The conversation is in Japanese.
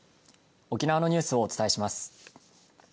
沖縄のニュースをお伝えします。